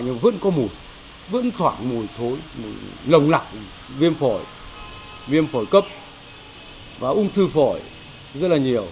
nhưng vẫn có mùi vẫn thoảng mùi thối mùi lặng viêm phổi viêm phổi cấp và ung thư phổi rất là nhiều